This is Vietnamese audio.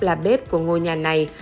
là bếp của ngôi nhà này